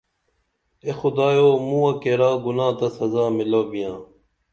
اے خدایو مووہ کیرا گُنا تہ سزا میلاو بیاں